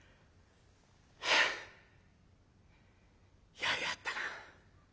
「やりやがったな。